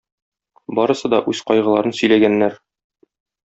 Барысы да үз кайгыларын сөйләгәннәр.